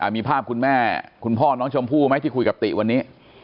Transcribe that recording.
มีภาพคุณแม่คุณพ่อน้องชมพู่ไหมที่คุยกับติวันนี้